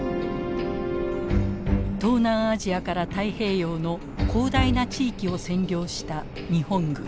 東南アジアから太平洋の広大な地域を占領した日本軍。